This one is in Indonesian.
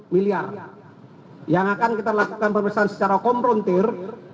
dua puluh tujuh miliar yang akan kita lakukan pemeriksaan secara komprontir